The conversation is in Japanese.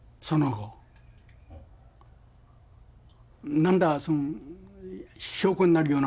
何ら証拠になるような